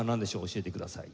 教えてください。